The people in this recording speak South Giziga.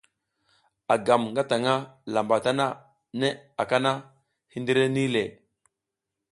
A gam ngataƞʼha lamba tana, neʼe aka na, hindire nih le.